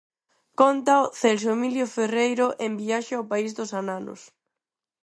Cóntao Celso Emilio Ferreiro en Viaxe ao país dos ananos.